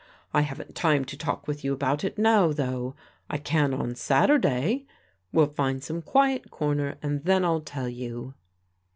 I haven't time to talk with you about it now, though. I can on Saturday. We'll find some quiet comer and then I'll tell you."